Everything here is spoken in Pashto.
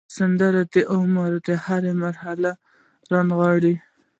سندره د عمر هره مرحله رانغاړي